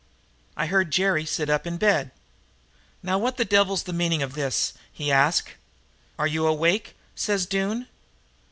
"I heard Jerry sit up in bed. "'Now what the devil's the meaning of this?' he asked. "'Are you awake?' says Doone.